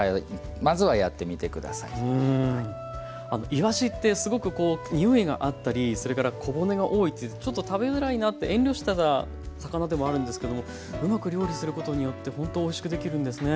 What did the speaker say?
いわしってすごくこうにおいがあったりそれから小骨が多いっていってちょっと食べづらいなって遠慮してた魚でもあるんですけどもうまく料理することによってほんとおいしくできるんですね。